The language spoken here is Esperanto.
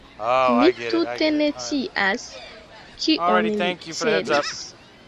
Mi tute ne scias kion li celis.